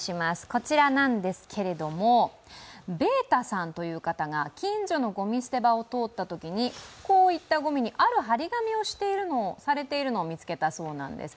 こちらなんですけれども、べーたさんという方が近所のごみ捨て場を通ったときに、こうしたごみにある張り紙をしているのを見かけたそうです。